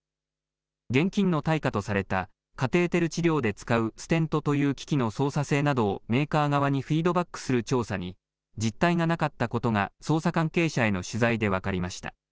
現金の対価とされたカテーテル治療で使うステントという機器の操作性などをメーカー側にフィードバックする調査に、実態がなかったことが捜査関係者への取材で分かりました。